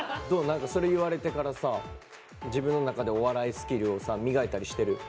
何かそれ言われてからさ自分の中でお笑いスキルをさ磨いたりしてる？